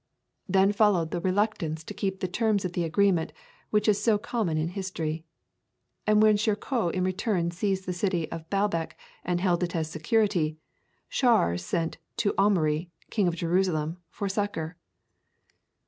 Then followed the reluctance to keep the terms of the agreement which is so common in history; and when Shirkoh in return seized the city of Balbek and held it as security, Shawer sent to Amaury, King of Jerusalem, for succor.